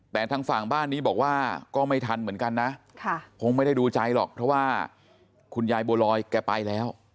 แต่ทางฝั่งบ้านนี้บอกว่าก็ไม่ทันเหมือนกันนะคงไม่ได้ดูใจหรอกเพราะว่าคุณยายบัวลอยแกไปแล้ว